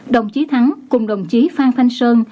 đồng chí thắng cùng đồng chí phan thanh sơn